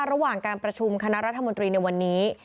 ระหว่างการประชุมคณะรัฐมนตรีในวันนี้